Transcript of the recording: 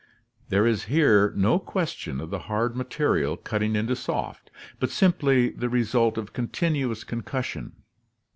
There is here no question of the hard material cutting into soft, but simply the result of continuous concussion.